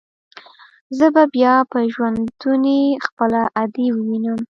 زه به بيا په ژوندوني خپله ادې ووينم.